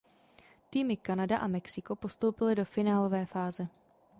Týmy Kanada a Mexiko postoupily do finálové fáze.